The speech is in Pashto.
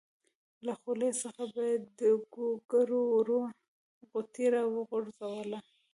له خولې څخه به یې د ګوګړو وړه قطۍ راوغورځوله.